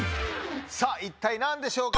さぁ一体何でしょうか？